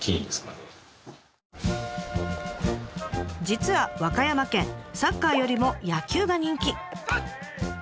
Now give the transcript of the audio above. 実は和歌山県サッカーよりも野球が人気。